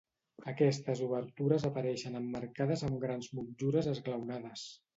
Aquestes obertures apareixen emmarcades amb grans motllures esglaonades.